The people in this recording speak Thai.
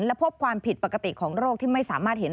และพบความผิดปกติของโรคที่ไม่สามารถเห็น